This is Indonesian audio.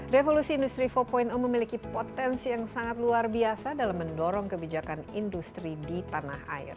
revolusi industri empat memiliki potensi yang sangat luar biasa dalam mendorong kebijakan industri di tanah air